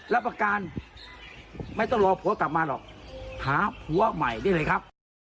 รับประการไม่ต้องรอผัวกลับมาหรอกหาผัวใหม่ได้เลยครับ